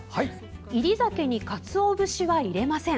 煎り酒にかつお節はいれません。